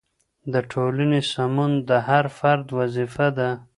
د ټولنې سمون د هر فرد وظیفه ده.